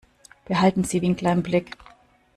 Behalten Sie Winkler im Blick.